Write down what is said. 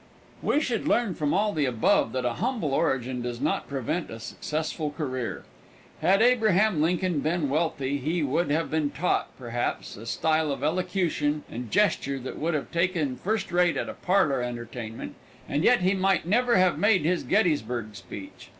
We should learn from all the above that a humble origin does not prevent a successful career. Had Abraham Lincoln been wealthy, he would have been taught, perhaps, a style of elocution and gesture that would have taken first rate at a parlor entertainment, and yet he might never have made his Gettysburg speech.